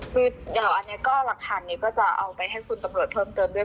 คือเดี๋ยวอันนี้ก็หลักฐานนี้ก็จะเอาไปให้คุณตำรวจเพิ่มเติมด้วย